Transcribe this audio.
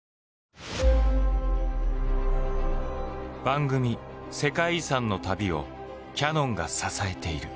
番組「世界遺産」の旅をキヤノンが支えている。